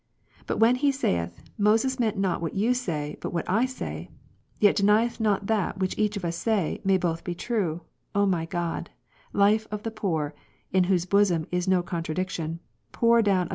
But when he saith, " Moses meant not what you say, but what I say," yet denieth not that what each of us say, may both be true, O my God, life of the poor, in Whose bosom is no contradiction, pour down a.